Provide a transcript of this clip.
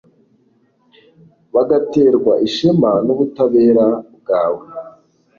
bagaterwa ishema n’ubutabera bwawe